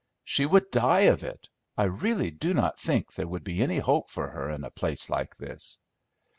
"She would die of it! I really do not think there would be any hope for her in a place like this."